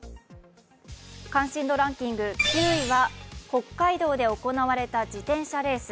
関心度ランキング９位は北海道で行われた自転車レース。